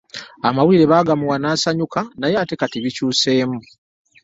Amawulire bagamuwa n'asanyuka naye kati ate bikyuseemu .